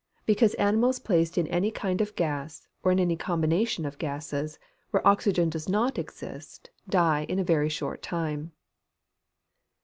_ Because animals placed in any kind of gas, or in any combination of gases, where oxygen does not exist, die in a very short time.